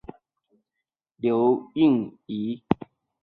顾颉刚认为的少昊氏加入古史系统自刘歆始。